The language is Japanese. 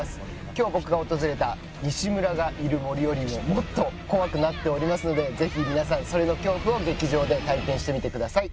今日僕が訪れた「“西村”がいる森」よりももっと怖くなっておりますのでぜひ皆さん“それ”の恐怖を劇場で体験してみてください。